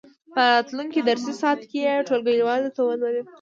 په راتلونکې درسي ساعت کې یې ټولګیوالو ته ولولئ.